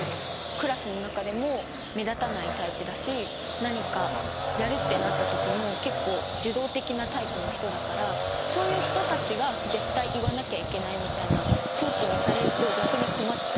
クラスの中でも目立たないタイプだし何かやるってなった時も結構受動的なタイプの人だからそういう人たちが絶対言わなきゃいけないみたいな空気にされると逆に困っちゃう。